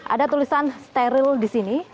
ada tulisan steril di sini